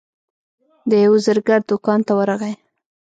د یوه زرګر دوکان ته ورغی.